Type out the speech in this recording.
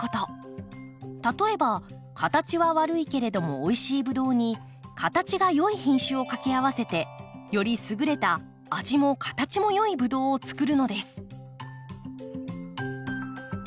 例えば形は悪いけれどもおいしいブドウに形が良い品種を掛け合わせてより優れた味も形も良いブドウをつくるのです。